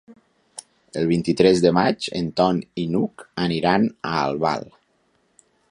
El vint-i-tres de maig en Ton i n'Hug aniran a Albal.